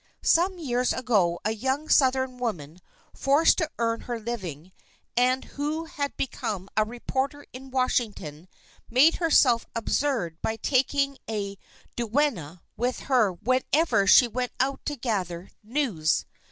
Some years ago a young southern woman, forced to earn her living, and who had become a reporter in Washington, made herself absurd by taking a duenna with her whenever she went out to gather news.